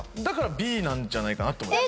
だからＢなんじゃないかなと。